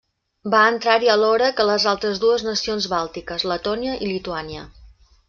Va entrar-hi alhora que les altres dues nacions bàltiques, Letònia i Lituània.